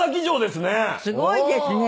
すごいですね。